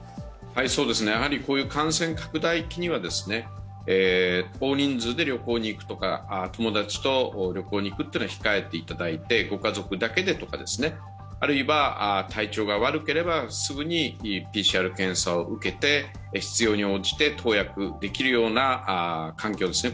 こういう感染拡大期には大人数で旅行に行くとか、友達と旅行に行くというのは控えていただいて、ご家族だけでとか、あるいは体調が悪ければ、すぐにＰＣＲ検査を受けて、必要に応じて投薬できるような環境ですね